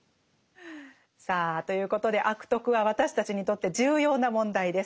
さあということで「悪徳」は私たちにとって重要な問題です。